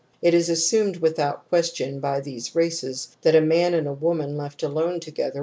It is assumed without question by these races that a man and a woman left alone together will " Frazer, Z.